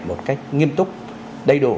một cách nghiêm túc đầy đủ